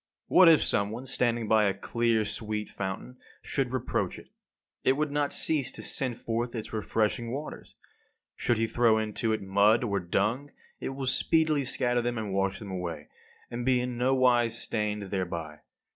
What if some one, standing by a clear sweet fountain, should reproach it? It would not cease to send forth its refreshing waters. Should he throw into it mud or dung, it will speedily scatter them and wash them away, and be in nowise stained thereby.